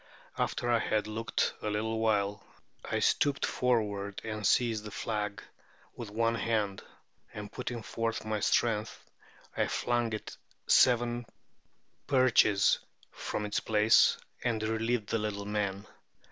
After I had looked a little while, I stooped forward and seized the flag with one hand; and putting forth my strength, I flung it seven perches from its place, and relieved the little men.